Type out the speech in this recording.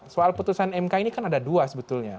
soal putusan mk ini kan ada dua sebetulnya